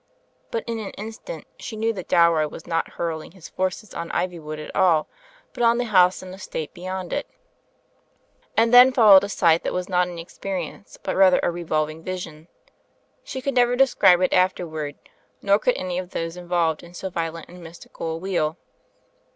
But in an instant she knew that Dalroy was not hurling his forces on Ivywood at all, but on the house and estate beyond it And then followed a sight that was not an experi ence^'but rather a revolving vision. She could never describe it afterward, nor could any of those involved in so violent and mystical a wheel.